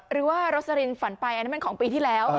หรือว่าโรสลินฝันไปอันนั้นมันของปีที่แล้ว